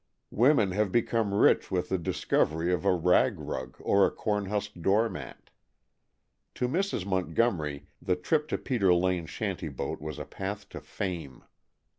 Women have become rich with the discovery of a rag rug or a corn husk door mat. To Mrs. Montgomery the trip to Peter Lane's shanty boat was a path to fame.